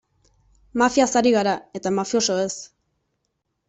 Mafiaz ari gara, eta mafiosoez.